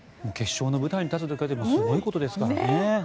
決勝の舞台に立つだけでもすごいことですからね。